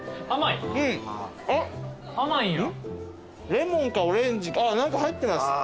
レモンかオレンジ何か入ってます。